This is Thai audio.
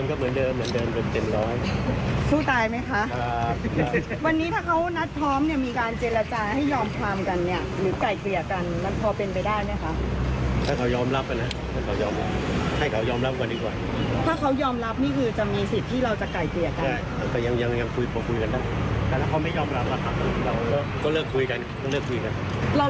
อัศวินทร์